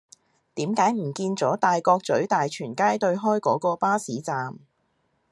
點解唔見左大角咀大全街對開嗰個巴士站